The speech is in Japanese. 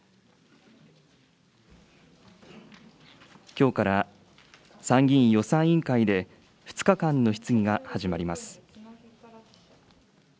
きょうから参議院予算委員会で、２日間の質疑が始まります。